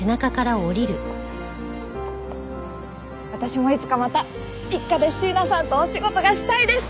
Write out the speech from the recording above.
私もいつかまた一課で椎名さんとお仕事がしたいです。